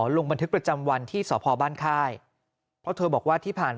ลงบันทึกประจำวันที่สพบ้านค่ายเพราะเธอบอกว่าที่ผ่าน